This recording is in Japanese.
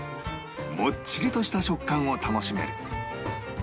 もっちりとした食感を楽しめる